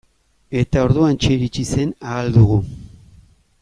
Eta orduantxe iritsi zen Ahal Dugu.